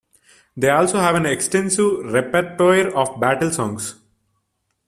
They also have an extensive repertoire of battle songs.